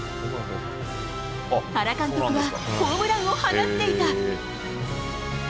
原監督はホームランを放っていた。